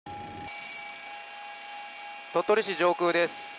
鳥取市上空です。